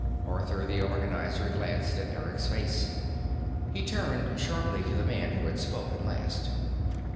Arthur the Organizer glanced at Eric's face. He turned sharply to the man who had spoken last.